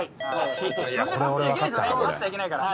飼っちゃいけないから実は。